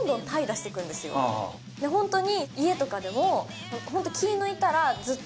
ホントに。